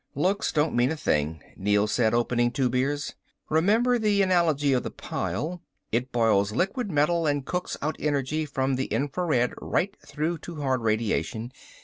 "Looks don't mean a thing," Neel said, opening two beers. "Remember the analogy of the pile. It boils liquid metal and cooks out energy from the infrared right through to hard radiation.